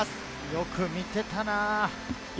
よく見ていたな。